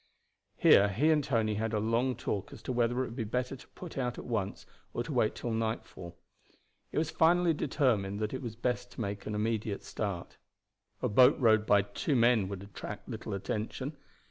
Here he and Tony had a long talk as to whether it would be better to put out at once or to wait till nightfall. It was finally determined that it was best to make an immediate start. A boat rowed by two men would attract little attention.